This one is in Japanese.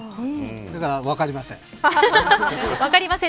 だから、分かりません。